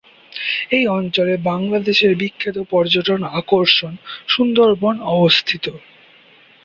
এই অঞ্চলে বাংলাদেশের বিখ্যাত পর্যটন আকর্ষণ সুন্দরবন অবস্থিত।